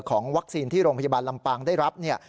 ของวัคซีนที่โรงพยาบาลลำปางได้รับเนี่ย